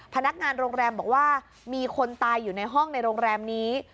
พนักงานโรงแรมบอกว่ามีคนตายอยู่ในห้องในโรงแรมนี้